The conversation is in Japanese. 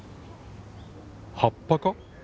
葉っぱか？